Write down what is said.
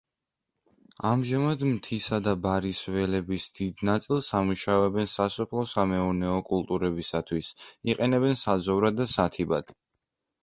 ამჟამად მთისა და ბარის ველების დიდ ნაწილს ამუშავებენ სასოფლო-სამეურნეო კულტურებისათვის, იყენებენ საძოვრად და სათიბად.